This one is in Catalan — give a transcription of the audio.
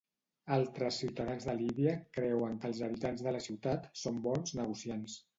Altres ciutadans de Líbia creuen que els habitants de la ciutat són bons negociants.